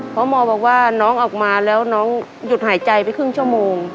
เพราะหมอบอกว่าน้องออกมาแล้วน้องหยุดหายใจไปครึ่งชั่วโมง